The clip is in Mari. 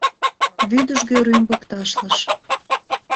Вӱдыжгӧ рӱмбык ташлыш.